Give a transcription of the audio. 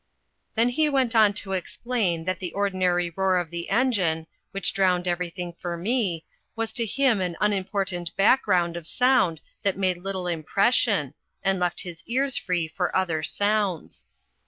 Then he went on to explain that the ordinary roar of the engine, which drowned everything for me, was to him an unimportant background of sound that made little impression, and left his ears free for other sounds.